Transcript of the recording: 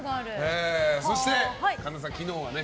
そして神田さん、昨日はね。